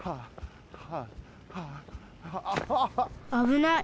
あぶない！